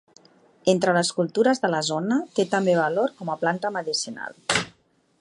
Entre les cultures de la zona té també valor com a planta medicinal.